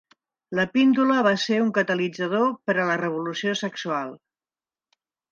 La píndola va ser un catalitzador per a la revolució sexual.